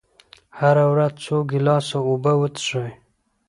هره ورځ څو ګیلاسه اوبه وڅښئ.